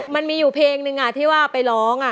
มันมีอยู่เพลงนึงที่ว่าไปร้อง